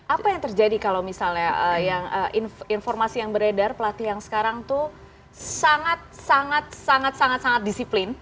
apa yang terjadi kalau misalnya informasi yang beredar pelatih yang sekarang itu sangat sangat disiplin